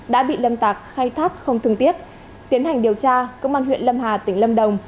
đã bị lâm tạc khai thác không thương tiếc tiến hành điều tra công an huyện lâm hà tỉnh lâm đồng